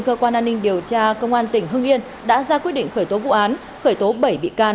cơ quan an ninh điều tra công an tỉnh hưng yên đã ra quyết định khởi tố vụ án khởi tố bảy bị can